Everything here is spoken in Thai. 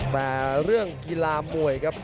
แต่เรื่องกีฬามวยครับ